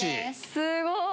すごい！